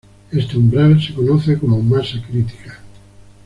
Este umbral se conoce como masa crítica.